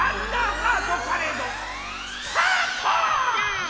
ハートパレードスタート！